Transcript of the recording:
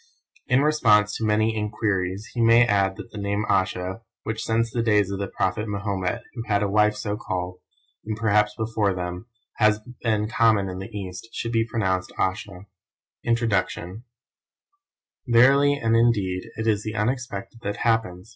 In response to many enquiries he may add that the name Ayesha, which since the days of the prophet Mahomet, who had a wife so called, and perhaps before them, has been common in the East, should be pronounced Assha. INTRODUCTION Verily and indeed it is the unexpected that happens!